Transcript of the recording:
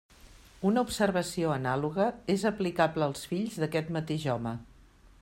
Una observació anàloga és aplicable als fills d'aquest mateix home.